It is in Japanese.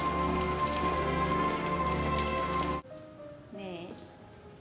「ねえ？